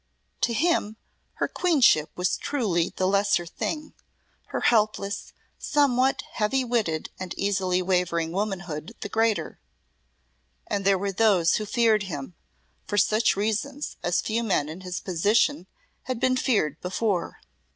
To him her queenship was truly the lesser thing, her helpless, somewhat heavy witted and easily wavering womanhood the greater; and there were those who feared him, for such reasons as few men in his position had been feared before.